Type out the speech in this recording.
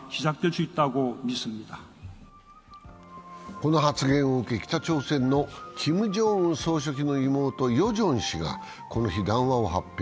この発言を受け、北朝鮮のキム・ジョンウン総書記の妹、ヨジョン氏がこの日、談話を発表。